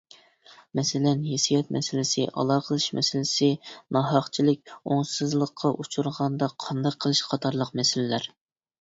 مەسىلەن: ھېسسىيات مەسىلىسى، ئالاقىلىشىش مەسىلىسى، ناھەقچىلىك، ئوڭۇشسىزلىققا ئۇچرىغاندا قانداق قىلىش قاتارلىق مەسىلىلەر.